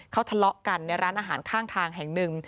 เขาทะเลาะกันในร้านอาหารข้างทางแห่งหนึ่ง